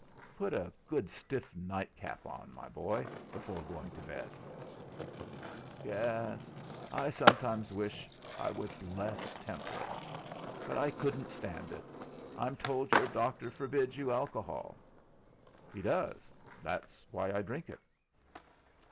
"Put a good stiff nightcap on, my boy, before going to bed." "Yes; I sometimes wish I was less temperate. But I couldn't stand it. I'm told your doctor forbids you alcohol." "He does. That's why I drink it."